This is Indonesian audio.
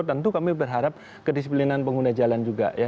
tentu kami berharap kedisiplinan pengguna jalan juga ya